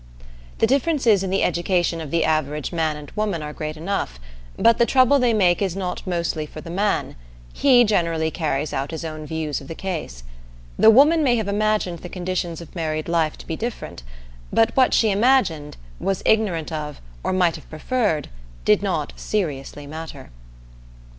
The differences in the education of the average man and woman are great enough, but the trouble they make is not mostly for the man; he generally carries out his own views of the case. The woman may have imagined the conditions of married life to be different; but what she imagined, was ignorant of, or might have preferred, did not seriously matter.